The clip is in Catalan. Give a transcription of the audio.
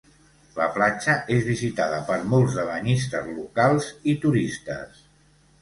La platja és visitada per molts de banyistes locals i turistes.